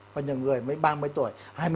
có nhiều người mới ba mươi tuổi